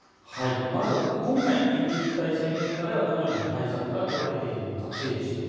まずは今回の緊急事態宣言下ではどのような対策がとられているのか。